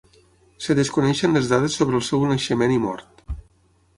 Es desconeixen les dades sobre el seu naixement i mort.